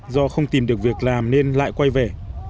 do không tìm được việc làm nên lại quay về